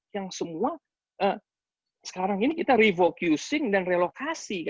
yang semua sekarang ini kita refocusing dan relokasi